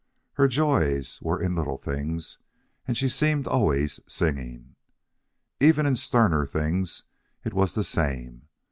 Her joys were in little things, and she seemed always singing. Even in sterner things it was the same.